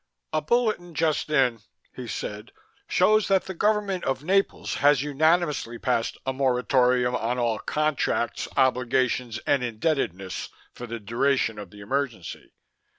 "A bulletin just in," he said, "shows that the government of Naples has unanimously passed a moritorium on all contracts, obligations and indebtedness for the duration of the emergency.